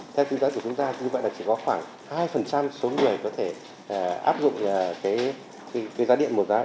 theo tính giá của chúng ta như vậy là chỉ có khoảng hai số người có thể áp dụng giá điện một giá